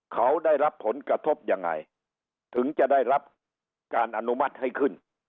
เขาได้รับผลกระทบยังไงถึงจะได้รับการอนุมัติให้ขึ้น